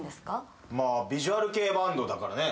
まあヴィジュアル系バンドだからね。